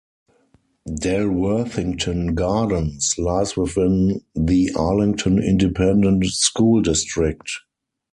Dalworthington Gardens lies within the Arlington Independent School District.